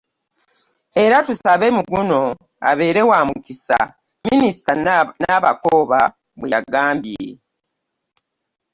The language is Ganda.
Era tusabe mu guno abeere wa mukisa, Minisita Nabakooba bwe yagambye.